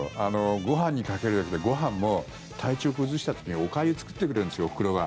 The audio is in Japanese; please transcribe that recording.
ご飯にかけるだけじゃなくてご飯も体調崩した時におかゆを作ってくれるんですよおふくろが。